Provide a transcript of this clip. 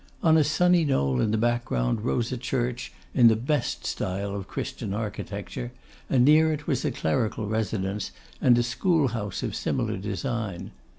On a sunny knoll in the background rose a church, in the best style of Christian architecture, and near it was a clerical residence and a school house of similar design.